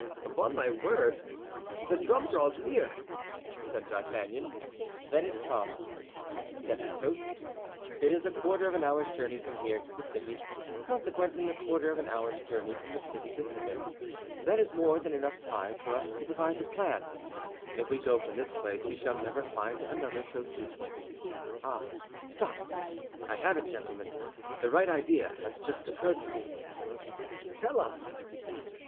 "Upon my word, the drum draws near," said D'Artagnan. "Let it come," said Athos. "It is a quarter of an hour's journey from here to the city, consequently a quarter of an hour's journey from the city to hither. That is more than time enough for us to devise a plan. If we go from this place we shall never find another so suitable. Ah, stop! I have it, gentlemen; the right idea has just occurred to me." "Tell us."